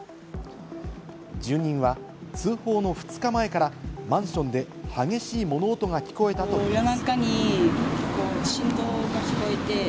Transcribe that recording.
住人は通報の２日前からマンションで激しい物音が聞こえたといいます。